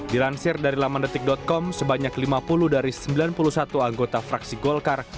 dilansir dari lamandetik com sebanyak lima puluh dari sembilan puluh satu anggota fraksi golkar